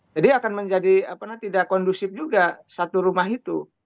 akan menjadi tidak kondusif juga satu rumah itu